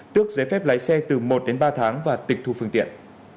tước giấy phép lái xe từ một đến ba tháng và tịch thu phương tiện